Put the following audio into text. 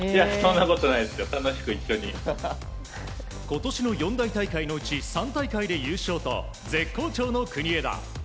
今年の四大大会のうち３大会で優勝と絶好調の国枝。